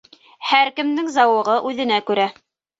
Һәр кемдең зауығы үҙенә күрә.